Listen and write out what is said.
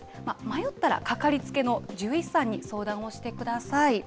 迷ったらかかりつけの獣医師さんに相談をしてください。